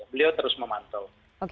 beliau terus memantau